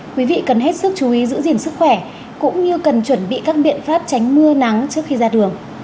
quý vị cần hết sức chú ý giữ gìn sức khỏe cũng như cần chuẩn bị các biện pháp tránh mưa nắng trước khi ra đường